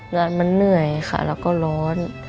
เลือดมันเหนื่อยค่ะแล้วก็ร้อน